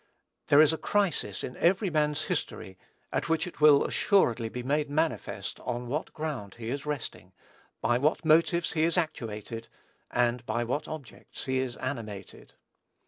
There is a crisis in every man's history at which it will assuredly be made manifest on what ground he is resting, by what motives he is actuated, and by what objects he is animated.